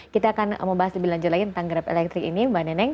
kita akan membahas lebih lanjut lagi tentang grab elektrik ini mbak neneng